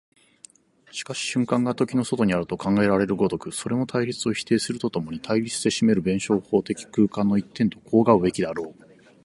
しかし瞬間が時の外にあると考えられる如く、それも対立を否定すると共に対立せしめる弁証法的空間の一点と考うべきであろう。